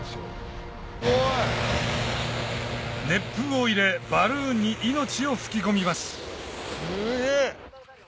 熱風を入れバルーンに命を吹き込みますすげぇ！